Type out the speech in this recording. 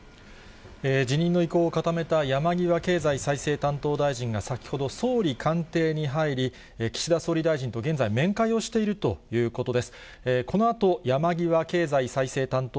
辞任の意向を固めた山際経済再生担当大臣が先ほど、総理官邸に入り、岸田総理大臣と現在、面会をしているということです。